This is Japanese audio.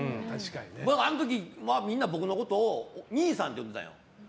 あの時、みんな僕のことを兄さんって呼んでたんよ。